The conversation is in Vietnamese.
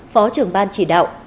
phó trưởng ban chỉ đạo